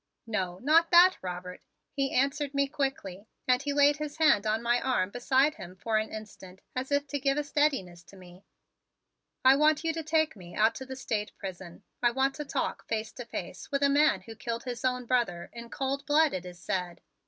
"No, not that, Robert," he answered me quickly and he laid his hand on my arm beside him for an instant as if to give a steadiness to me. "I want you to take me out to the State Prison. I want to talk face to face with a man who killed his own brother, in cold blood, it is said.